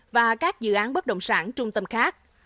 và các dự án bất động sản trung tâm khác